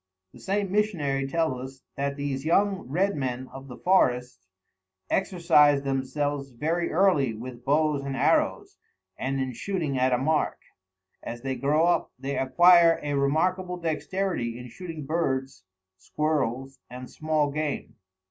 The same missionary tells us that these young red men of the forest "exercise themselves very early with bows and arrows, and in shooting at a mark. As they grow up they acquire a remarkable dexterity in shooting birds, squirrels, and small game."